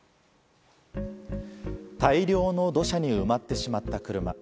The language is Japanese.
大量の土砂に埋まってしまった車。